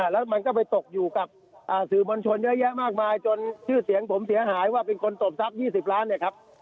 แล้วมันก็ไปตกอยู่กับสื่อมวลชนเยอะแยะมากมายจนชื่อเสียงผมเสียหายว่าเป็นคนตบทรัพย์๒๐ล้านเนี่ยครับ